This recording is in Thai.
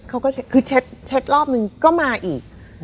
เขาก็คือเช็ดรอบนึงก็มาอีก